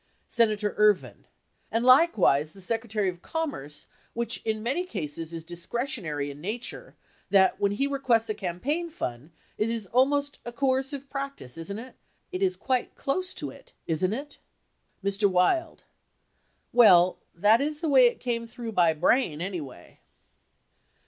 Senator Ervin. And likewise the Secretary of Commerce, which in many cases is discretionary in nature, that when he requests a campaign fund, it is almost a coercive practice, isn't it ? It is quite close to is, isn't it ? Mr. Wild. Well, that is the way it came through by brain, anyway.